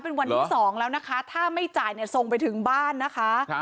เป็นวันที่๒แล้วนะคะถ้าไม่จ่ายเนี่ยส่งไปถึงบ้านนะคะ